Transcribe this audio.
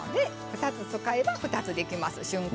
２つ使えば２つできます瞬間